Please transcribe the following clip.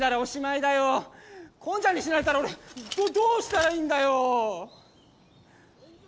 近ちゃんに死なれたら俺どどうしたらいいんだよ！